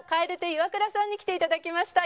蛙亭イワクラさんに来て頂きました。